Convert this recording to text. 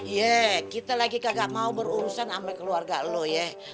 yeh kita lagi kagak mau berurusan sama keluarga lo ye